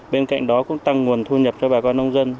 bên cạnh đó cũng tăng nguồn thu nhập cho bà con nông dân